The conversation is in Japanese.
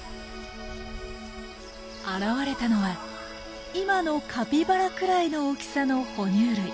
現れたのは今のカピバラくらいの大きさのほ乳類。